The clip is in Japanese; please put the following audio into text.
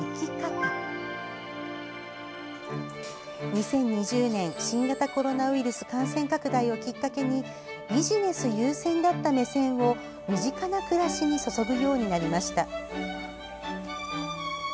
２０２０年、新型コロナウイルス感染拡大をきっかけにビジネス優先だった目線を身近な暮らしに注ぐようになりました。